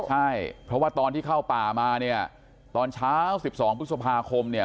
ใช่เพราะว่าตอนที่เข้าป่ามาเนี่ยตอนเช้า๑๒พฤษภาคมเนี่ย